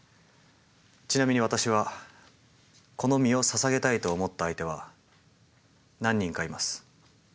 ちなみに私はこの身をささげたいと思った相手は何人かいます。